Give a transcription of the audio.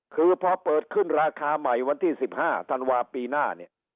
คือเมื่อเปิดขึ้นราคาใหม่วันที่๑๕ธนวาคมปีหน้า